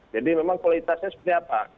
jadi memang kualitasnya seperti apa